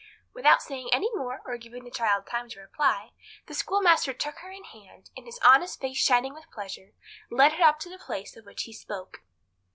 Without saying any more, or giving the child time to reply, the schoolmaster took her hand, and his honest face shining with pleasure, led her to the place of which he spoke.